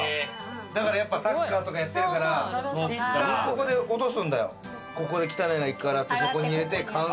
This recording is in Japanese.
サッカーとかやってるから、いったんここで落とすんだよ。